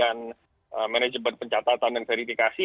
dan juga manajemen pencatatan dan verifikasi